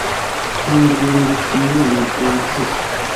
nkunda ibintu bitunguranye wansize